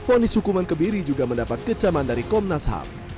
fonis hukuman kebiri juga mendapat kecaman dari komnas ham